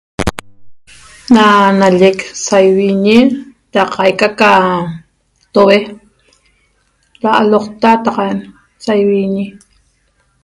Na nallec saiviñi ra qaica ca toue ra aloqta saiviñi